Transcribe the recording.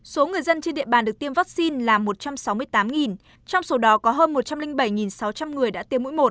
số người dân trên địa bàn được tiêm vaccine là một trăm sáu mươi tám trong số đó có hơn một trăm linh bảy sáu trăm linh người đã tiêm mũi một